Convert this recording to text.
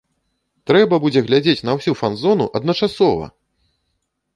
Трэба будзе глядзець на ўсю фанзону адначасова!